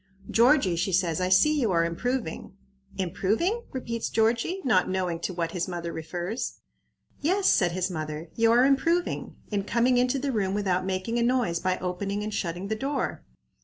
"Georgie," she says, "I see you are improving." "Improving?" repeats Georgie, not knowing to what his mother refers. "Yes," said his mother; "you are improving, in coming into the room without making a noise by opening and shutting the door.